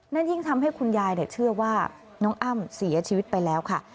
ยิ่งทำให้คุณยายเชื่อว่าน้องอ้ำเสียชีวิตไปแล้วค่ะ